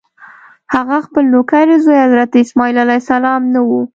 هغه خپل نوکرې زوی حضرت اسماعیل علیه السلام نه و.